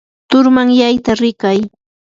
turmanyayta rikay.